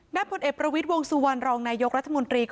ณพเอประวิจนร์วงศ์ส่วนรองนายโยครัฐมนตรี